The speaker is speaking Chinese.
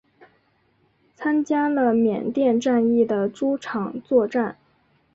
参加了缅甸战役的诸场作战。